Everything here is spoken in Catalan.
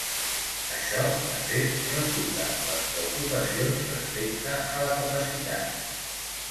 Això, de fet, refuta les preocupacions respecte a la capacitat.